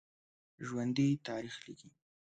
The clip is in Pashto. ژوندي تاریخ لیکي